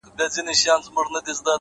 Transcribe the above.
د رڼاگانو شيسمحل کي به دي ياده لرم،